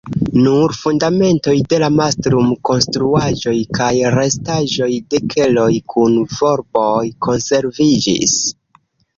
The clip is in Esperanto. Nur fundamentoj de la mastrum-konstruaĵoj kaj restaĵoj de keloj kun volboj konserviĝis.